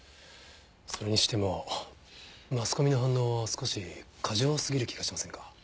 それにしてもマスコミの反応は少し過剰すぎる気がしませんか？